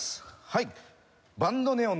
はい。